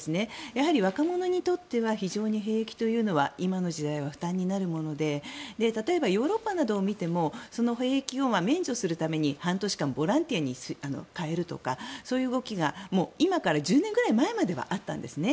やはり若者にとっては非常に兵役というのは今の時代は負担になるもので例えば、ヨーロッパなどを見てもその兵役を免除するために半年間のボランティアに変えるとか、そういう動きがもう今から１０年くらい前まではあったんですね。